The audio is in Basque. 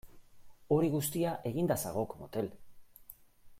Hori guztia eginda zagok motel!